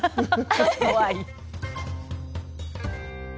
怖い。